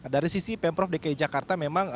dari sisi pemprov dki jakarta memang